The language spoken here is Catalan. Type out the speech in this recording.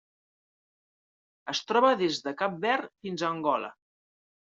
Es troba des de Cap Verd fins a Angola.